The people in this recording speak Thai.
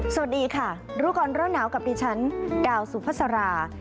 สวัสดีค่ะรู้ก่อนร้อนหนาวกับดิฉันดาวสุภาษารา